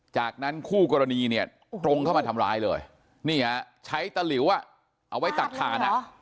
จากนั้นคู่กรณีตรงเข้ามาทำร้ายเลยใช้ตะลิวเอาไว้ตักถ่าน